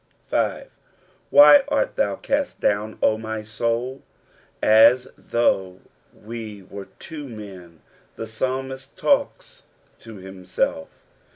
B. "IVAy art ihoK ea>t down, 0 my toult" As though he were two men, the pulmtst talks to himself.